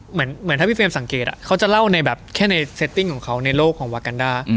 เหมือนถ้าพี่เฟรมสังเกตเขาจะเล่าในแบบแค่ในเซตติ้งของเขาในโลกของวากันด้า